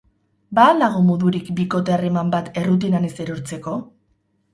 Ba al dago modurik bikote harreman bat errutinan ez erortzeko?